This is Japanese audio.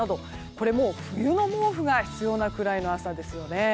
これはもう冬の毛布が必要なぐらいの朝ですよね。